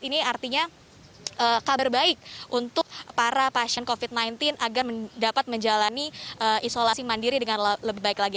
ini artinya kabar baik untuk para pasien covid sembilan belas agar dapat menjalani isolasi mandiri dengan lebih baik lagi